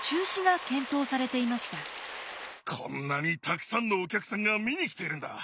こんなにたくさんのお客さんが見に来ているんだ。